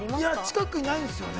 近くにないんですよね。